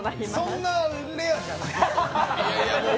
そんなレアじゃないんですね。